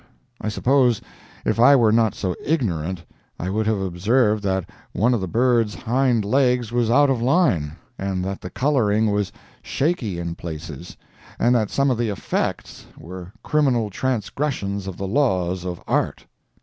I suppose if I were not so ignorant I would have observed that one of the birds' hind legs was out of line, and that the coloring was shaky in places, and that some of the "effects" were criminal transgressions of the laws of art.